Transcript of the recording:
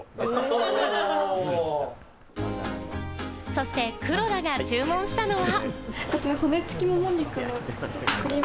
そして黒田が注文したのは。